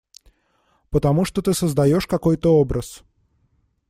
Потому что ты создаешь какой-то образ.